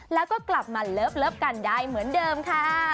แล้วก็กลับมาเลิฟกันได้เหมือนเดิมค่ะ